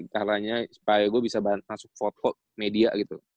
kayaknya supaya gua bisa masuk foto media gitu